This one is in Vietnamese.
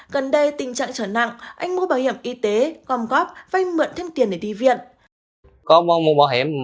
gần đây tình trạng trở nặng anh mua bảo hiểm y tế gom góp vay mượn thêm tiền để đi viện